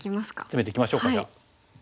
つめていきましょうかじゃあ。